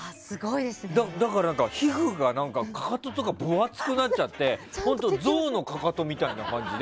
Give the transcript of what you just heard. だから、かかとの皮膚とかも分厚くなっちゃってゾウのかかとみたいな感じで。